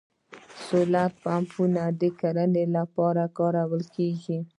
سولر پمپونه د کرنې لپاره کارول کیږي